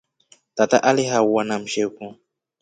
Tata alihauwa na msheku.